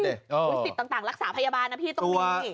สิทธิ์ต่างรักษาพยาบาลนะพี่ต้องมี